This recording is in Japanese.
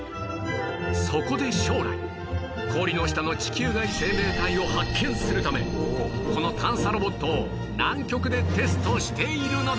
そこで将来氷の下の地球外生命体を発見するためこの探査ロボットを南極でテストしているのだ